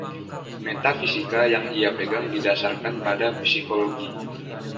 Metafisika yang ia pegang didasarkan pada psikologi.